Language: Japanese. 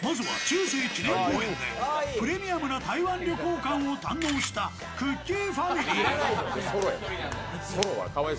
まずは中正記念公園でプレミアムな台湾旅行感を堪能したくっきー！